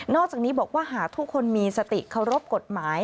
อกจากนี้บอกว่าหากทุกคนมีสติเคารพกฎหมาย